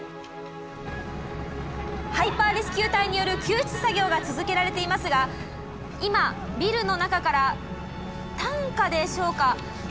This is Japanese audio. ハイパーレスキュー隊による救出作業が続けられていますが今ビルの中から担架でしょうか運び出されています。